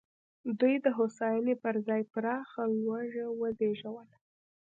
دوی د هوساینې پر ځای پراخه لوږه وزېږوله.